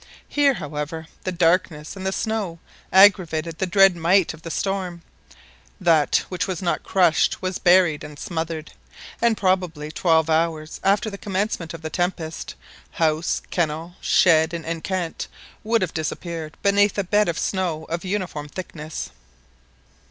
Here, however, the darkness and the snow aggravated the dread might of the storm; that which was not crushed was buried and smothered, and, probably twelve hours after the commencement of the tempest, house, kennel, shed, and enceinte would have disappeared beneath a bed of snow of uniform thickness.